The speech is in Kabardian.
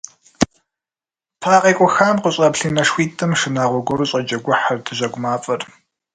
ПыӀэ къекъухам къыщӀэплъ и нэшхуитӀым шынагъуэ гуэру щӀэджэгухьырт жьэгу мафӀэр.